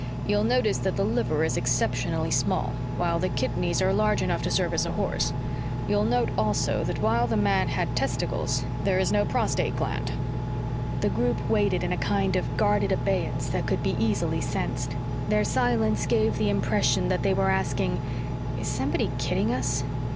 "You'll notice that the liver is exceptionally small, while the kidneys are large enough to service a horse. You'll note also that while the man had testicles, there is no prostrate gland." The group waited in a kind of guarded abeyance that could be easily sensed. Their silence gave the impression that they were asking: _Is somebody kidding us?